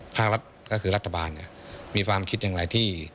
ภารกฤษนี่ก็คือรัฐบาลมีความคิดอย่างไรที่